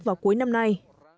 vào cuối năm nay